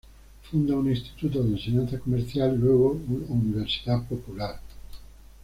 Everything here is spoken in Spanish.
Funda un instituto de enseñanza comercial, luego una universidad popular.